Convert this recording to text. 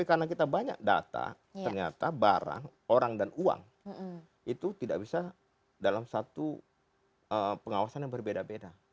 karena kita banyak data ternyata barang orang dan uang itu tidak bisa dalam satu pengawasan yang berbeda beda